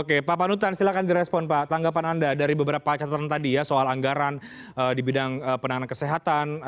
oke pak panutan silahkan direspon pak tanggapan anda dari beberapa catatan tadi ya soal anggaran di bidang penanganan kesehatan